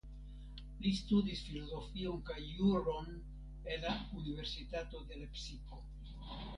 Li studis Filozofion kaj Juron en la Universitato de Lepsiko.